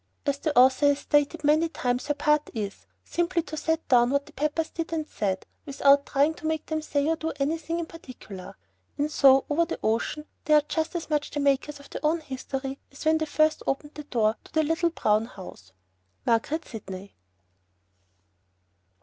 As the author has stated many times, her part is "simply to set down what the Peppers did and said, without trying to make them say or do anything in particular." And so over the ocean they are just as much the makers of their own history as when they first opened the door of the "little brown house" to MARGARET SIDNEY.